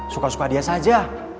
suka suka dia saja